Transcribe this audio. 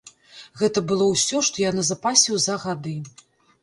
Гэта было ўсё, што я назапасіў за гады.